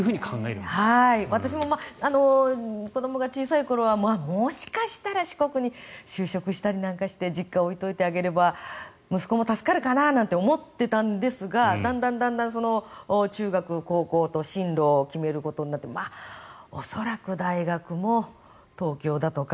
私も子どもが小さい頃はもしかしたら四国に就職したりなんかして実家を置いておいてあげれば息子も助かるかななんて思ってたんですがだんだん、中学、高校と進路を決めることになって恐らく大学も東京だとか。